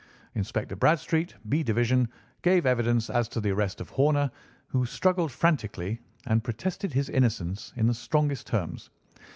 Inspector Bradstreet, B division, gave evidence as to the arrest of Horner, who struggled frantically, and protested his innocence in the strongest terms.